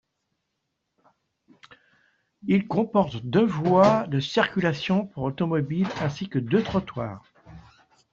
Il comporte deux voies de circulation pour automobiles, ainsi que deux trottoirs.